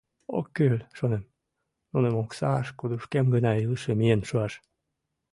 «Ок кӱл, — шонем, — нунын оксашт, кудышкем гына илыше миен шуаш...